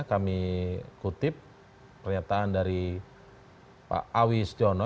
kami kutip pernyataan dari pak awi setiono